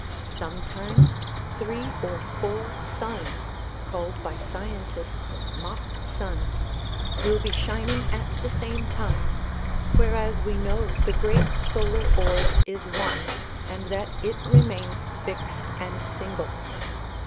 Sometimes three or four suns called by scientists mock suns" will be shining at the same time whereas we know the great solar orb is one and that it remains fixed and single.